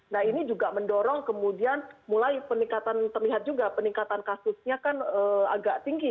nah ini juga mendorong kemudian mulai peningkatan terlihat juga peningkatan kasusnya kan agak tinggi